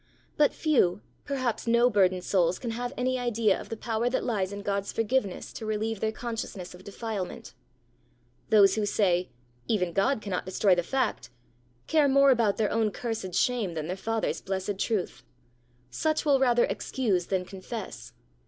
But few, perhaps no burdened souls can have any idea of the power that lies in God's forgiveness to relieve their consciousness of defilement. Those who say, "Even God cannot destroy the fact!" care more about their own cursed shame than their Father's blessed truth! Such will rather excuse than confess.